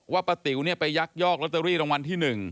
ว่าประติวไปยักษ์ยอกลอตเตอรี่รางวัลที่๑